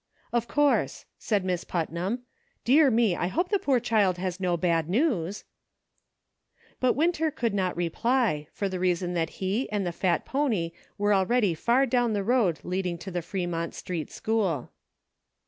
"Of course," said Miss Putnam; "dear me, I hope the poor child has no bad news." SAGE CONCLUSIONS. I69 But Winter could not reply, for the reason that he and the fat pony were already far down the road leading to the Fremont Street School.